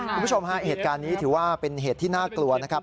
คุณผู้ชมฮะเหตุการณ์นี้ถือว่าเป็นเหตุที่น่ากลัวนะครับ